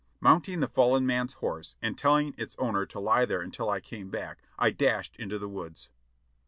Mounting the fallen man's horse, and telling its owner to lie there until I came back, I dashed into the woods.